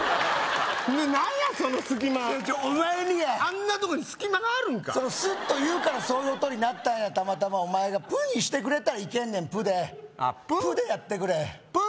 何やその隙間違う違うお前にやあんなとこに隙間があるんかそのスッと言うからそういう音になったんやたまたまお前がプッにしてくれたらいけるねんプッであっプッ？